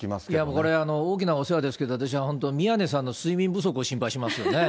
これ、大きなお世話ですけど、私は本当、宮根さんの睡眠不足を心配しますよね。